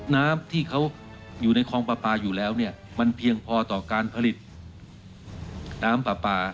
น้ำที่เขาอยู่ในคลองปลาปลาอยู่แล้วเนี่ยมันเพียงพอต่อการผลิตน้ำปลาปลา